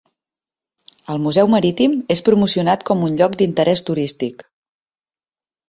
El museu Marítim és promocionat com un lloc d'interès turístic.